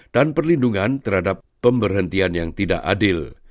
dan perlindungan terhadap pemberhentian yang tidak adil